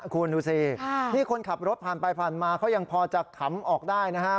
คุณดูสินี่คนขับรถผ่านไปผ่านมาเขายังพอจะขำออกได้นะฮะ